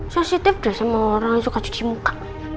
sositif deh sama orang yang suka cuci muka